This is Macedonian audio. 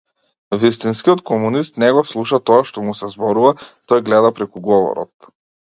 Вистинскиот комунист не го слуша тоа што му се зборува, тој гледа преку говорот.